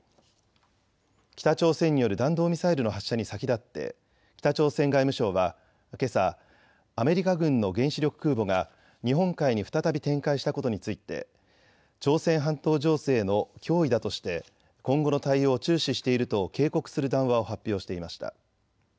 北朝鮮による弾道ミサイルの発射に先立って北朝鮮外務省はけさアメリカ軍の原子力空母が日本海に再び展開したことについて朝鮮半島情勢の脅威だとして今後の対応を注視していると警告する談話を発表していました。